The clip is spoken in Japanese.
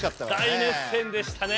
大熱戦でしたね。